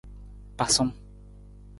Pasung.